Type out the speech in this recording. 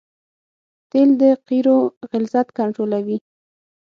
تیل د قیرو غلظت کنټرولوي